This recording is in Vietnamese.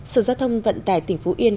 sở giao thông vận tải tỉnh phú yên